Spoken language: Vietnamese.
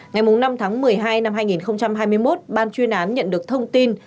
ngày năm tháng một mươi hai năm hai nghìn hai mươi một ban chuyên án nhận được thông tin